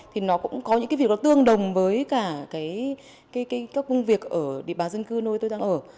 thì nó cũng có những cái việc đó tương đồng với cả các công việc ở địa bà dân cư nơi tôi đang ở